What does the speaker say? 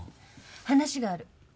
話がある。